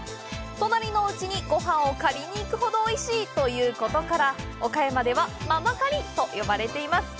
隣の家にごはんを借りに行くほどおいしいということから、岡山では「ままかり」と呼ばれています。